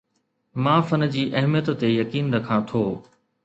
مان فن جي اهميت تي يقين رکان ٿو